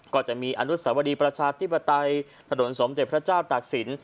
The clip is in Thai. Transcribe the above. ก็จะมีอนุสวรีประชาธิปไตยถนนสมเด็จพระเจ้าตากศิลป